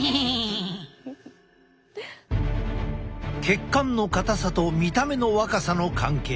血管の硬さと見た目の若さの関係。